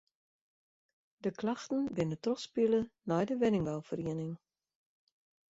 De klachten binne trochspile nei de wenningbouferieniging.